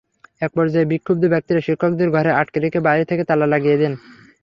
একপর্যায়ে বিক্ষুব্ধ ব্যক্তিরা শিক্ষকদের ঘরে আটকে রেখে বাইরে থেকে তালা লাগিয়ে দেন।